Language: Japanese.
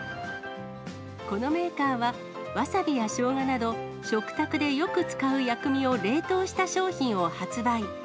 このメーカーは、ワサビやショウガなど、食卓でよく使う薬味を冷凍した商品を発売。